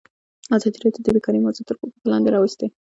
ازادي راډیو د بیکاري موضوع تر پوښښ لاندې راوستې.